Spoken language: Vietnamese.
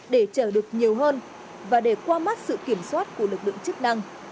để chở được nhiều hơn và để qua mắt sự kiểm soát của lực lượng chức năng